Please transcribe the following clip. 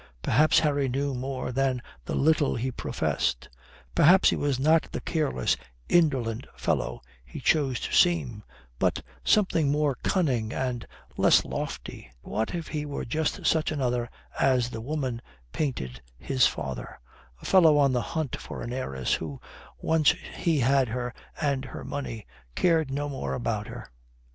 Perhaps Harry knew more than the little he professed. Perhaps he was not the careless, indolent fellow he chose to seem, but something more cunning and less lofty. What if he were just such another as the woman painted his father a fellow on the hunt for an heiress, who, once he had her and her money, cared no more about her?